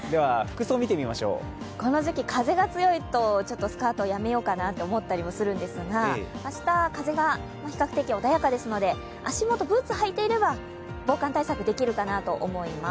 この時期、風が強いとスカートやめようかなと思ったりするんですが明日、風が比較的穏やかですので、足元、ブーツ履いていれば防寒対策できるかと思います。